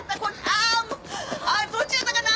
あもうどっちやったかな？